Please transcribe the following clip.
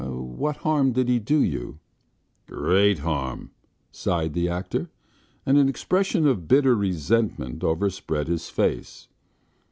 "What harm did he do you?" "Great harm," sighed the actor, and an expression of bitter resentment overspread his face.